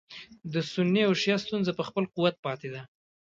د سني او شیعه ستونزه په خپل قوت پاتې ده.